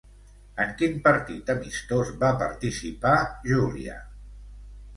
En quin partit amistós va participar Júlia?